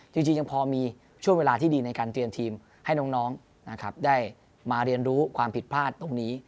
จริงยังพอมีช่วงเวลาที่ดีในการเตรียมทีมให้น้องนะครับได้มาเรียนรู้ความผิดพลาดตรงนี้